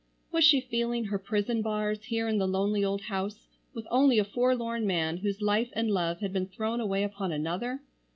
Was she feeling her prison bars here in the lonely old house with only a forlorn man whose life and love had been thrown away upon another?